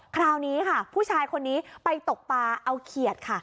คราวนี้ค่ะผู้ชายคนนี้ไปตกปลาเอาเขียดค่ะ